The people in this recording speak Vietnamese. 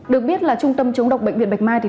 được biết là trung tâm chống độc bệnh viện bạch mai